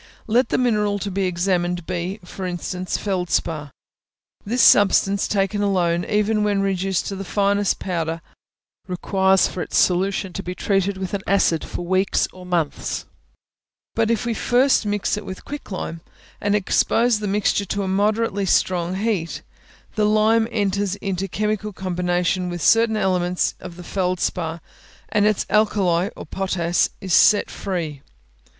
Let the mineral to be examined be, for instance, feldspar; this substance, taken alone, even when reduced to the finest powder, requires for its solution to be treated with an acid for weeks or months; but if we first mix it with quick lime, and expose the mixture to a moderately strong heat, the lime enters into chemical combination with certain elements of the feldspar, and its alkali (potass) is set free.